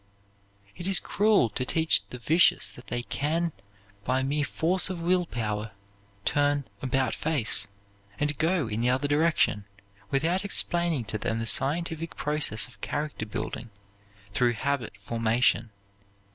It is cruel to teach the vicious that they can, by mere force of will power, turn "about face," and go in the other direction, without explaining to them the scientific process of character building, through habit formation.